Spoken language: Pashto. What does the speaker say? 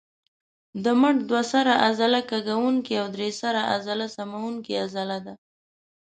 د مټ دوه سره عضله کږوونکې او درې سره عضله سموونکې عضله ده.